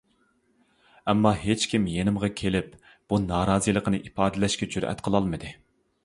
ئەمما ھېچكىم يېنىمغا كېلىپ بۇ نارازىلىقىنى ئىپادىلەشكە جۈرئەت قىلالمىدى.